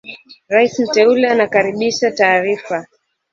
Rais mteule anakaribisha taarifa